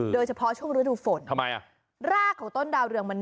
ดอกใหญ่ขายอยู่ที่ราคาดอกละ๒บาท